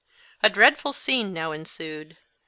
A dreadful scene now ensued.